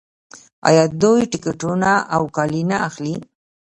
آیا دوی ټکټونه او کالي نه اخلي؟